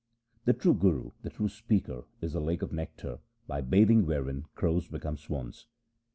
The true Guru, the true speaker is a lake of nectar 1 by bathing wherein crows become swans.